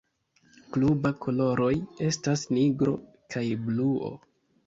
Klubaj koloroj estas nigro kaj bluo.